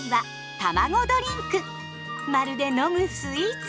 まるで飲むスイーツ。